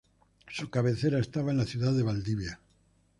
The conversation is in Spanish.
Su cabecera estaba en la Ciudad de Valdivia.